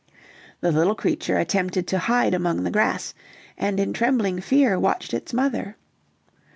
The little creature attempted to hide among the grass, and in trembling fear watched its mother.